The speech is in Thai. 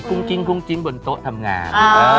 กุ้งกิ้งบนโต๊ะทำงาน